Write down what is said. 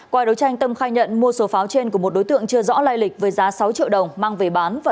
qua đấu tranh tâm khai nhận mua số pháo trên của một đối tượng chưa rõ lai lịch với giá sáu triệu đồng mang về bán